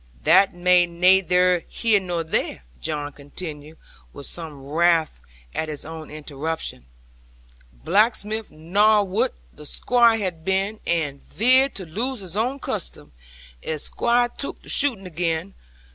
'That be nayther here nor there,' John continued, with some wrath at his own interruption: 'Blacksmith knawed whutt the Squire had been; and veared to lose his own custom, if Squire tuk to shooin' again.